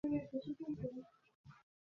মনে হচ্ছ্ব তার হাঁটু আটকে গেছে।